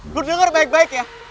lo denger baik baik ya